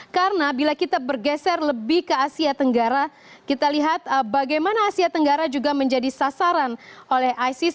karena bila kita bergeser lebih ke asia tenggara kita lihat bagaimana asia tenggara juga menjadi sasaran oleh isis